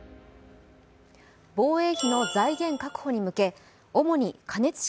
防衛費の財源確保に向け主に加熱式